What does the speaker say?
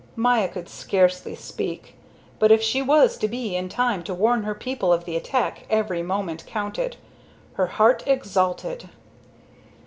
Maya could scarcely speak. But, if she was to be in time to warn her people of the attack, every moment counted. Her heart exulted.